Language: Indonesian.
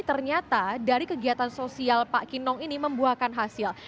ternyata dari kegiatan sosial pak kinong ini membuahkan hasil